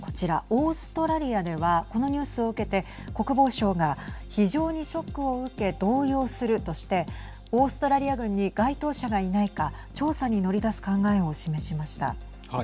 オーストラリアではこのニュースを受けて国防相が非常にショックを受け動揺するとしてオーストラリア軍に該当者がいないか調査に乗り出す考えを示しました。